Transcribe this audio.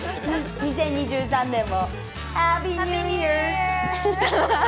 ２０２３年も。